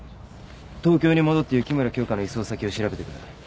東京に戻って雪村京花の移送先を調べてくれ。